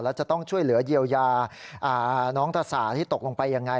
แล้วจะต้องช่วยเหลือเยียวยาน้องตะสาที่ตกลงไปยังไง